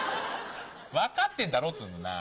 分かってんだろっつのなぁ。